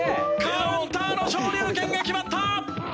カウンターの昇龍拳が決まった！